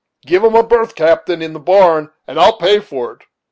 Give him a berth, captain, in the barn, and I will pay for it.